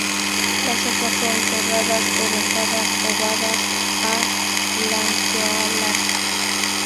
Las hojas son serradas o dentadas, ovadas a lanceoladas.